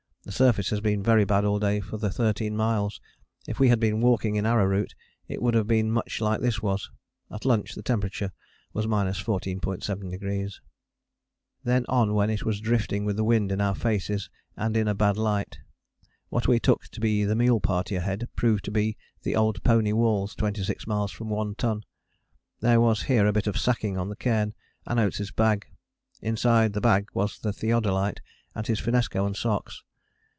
The surface has been very bad all day for the thirteen miles: if we had been walking in arrowroot it would have been much like this was. At lunch the temperature was 14.7°. Then on when it was drifting with the wind in our faces and in a bad light. What we took to be the mule party ahead proved to be the old pony walls 26 miles from One Ton. There was here a bit of sacking on the cairn, and Oates' bag. Inside the bag was the theodolite, and his finnesko and socks.